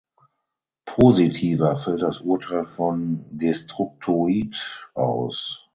Positiver fällt das Urteil von "Destructoid" aus.